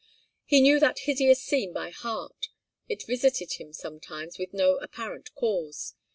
He knew that hideous scene by heart. It visited him sometimes with no apparent cause.